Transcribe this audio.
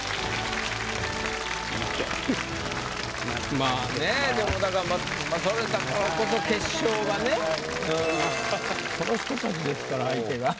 まあねでもだからまあそれやったらそれこそ決勝がねうんこの人たちですから相手が。